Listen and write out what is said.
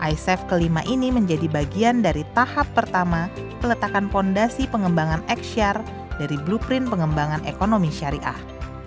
isaf ke lima ini menjadi bagian dari tahap pertama peletakan fondasi pengembangan exyar dari blueprint pengembangan ekonomi syariah